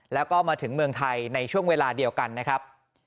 แล้วก็มาถึงเมืองไทยในช่วงเวลาเดียวกันนะครับ